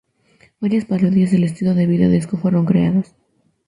Varias parodias del estilo de vida disco fueron creados.